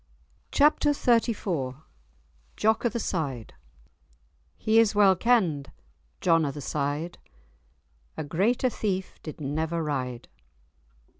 *Chapter XXXIV* *Jock o' the Side* "He is well kend, John of the Syde, A greater thief did never ryde."